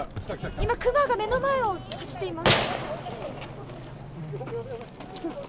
今、クマが目の前を走っています。